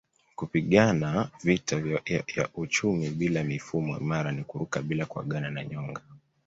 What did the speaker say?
Kupigana vita ya uchumi bila mifumo imara ni kuruka bila kuagana na nyonga